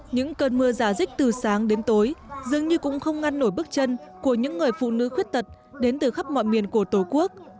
những cơn mưa giả dích từ sáng đến tối dường như cũng không ngăn nổi bước chân của những người phụ nữ khuyết tật đến từ khắp mọi miền của tổ quốc